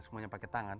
semuanya pakai tangan